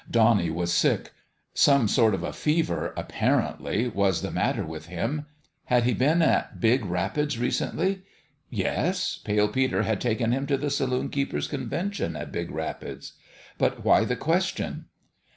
Donnie was sick. Some sort of a fever, apparently, was the matter with him. Had he been at Big Rapids 324 THE END OF THE GAME recently ? Yes : Pale Peter had taken him to the Saloon keepers' Convention at Big Rapids. But why the question